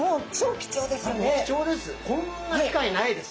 貴重です。